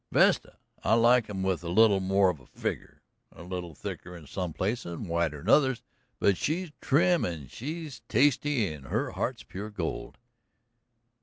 "Vesta. I like 'em with a little more of a figger, a little thicker in some places and wider in others, but she's trim and she's tasty, and her heart's pure gold."